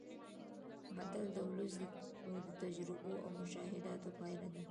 متل د ولس د تجربو او مشاهداتو پایله ده